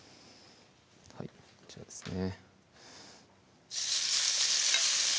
はいこちらですね